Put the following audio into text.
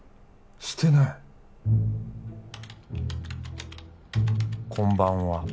してない「こんばんは」